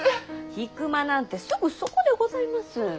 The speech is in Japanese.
引間なんてすぐそこでございます。